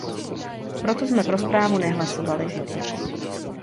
Proto jsme pro zprávu nehlasovali.